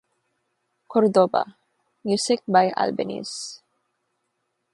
Cordoba, music by Albeniz.